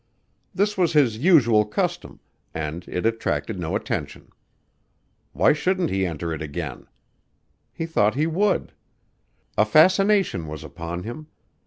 This was his usual custom, and it attracted no attention. Why shouldn't he enter it again? He thought he would. A fascination was upon him.